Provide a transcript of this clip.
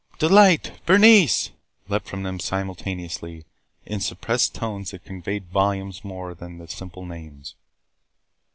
"Delight!" "Bernice!" leaped from them simultaneously, in suppressed tones that conveyed volumes more than the simple names.